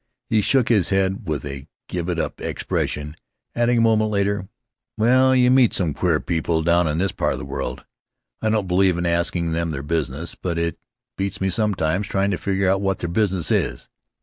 He shook his head with a give it up expression, adding a moment later: "Well, you meet some queer people down in this part of the world. I don't believe in asking them their business, but it beats me sometimes, trying to figure out what their business is."